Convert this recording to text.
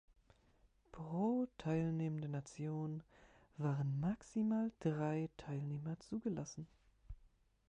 Pro teilnehmender Nation waren maximal drei Teilnehmer zugelassen.